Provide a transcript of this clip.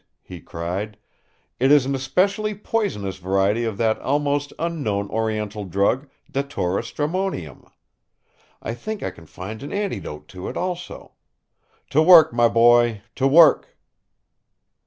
he cried. "It is an especially poisonous variety of that almost unknown Oriental drug, Dhatura stramonium. I think I can find an antidote to it, also. To work, my boy, to work!"